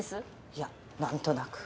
いやなんとなく。